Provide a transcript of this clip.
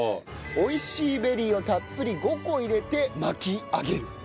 おいＣベリーをたっぷり５個入れて巻き上げる。